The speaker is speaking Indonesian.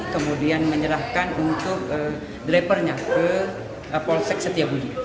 kemudian menyerahkan untuk drivernya ke polsek setiabudi